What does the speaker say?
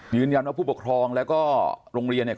ยืนยันว่าผู้ปกครองแล้วก็โรงเรียนเนี่ย